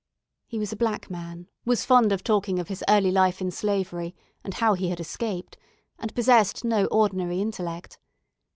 He was a black man; was fond of talking of his early life in slavery, and how he had escaped; and possessed no ordinary intellect.